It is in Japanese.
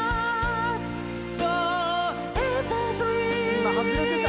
今外れてた！